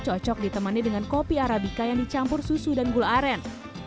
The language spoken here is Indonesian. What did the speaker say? cocok ditemani dengan kopi arabica yang dicampur susu dan gula aren